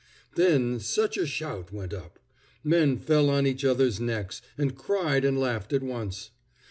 Then such a shout went up! Men fell on each other's necks, and cried and laughed at once.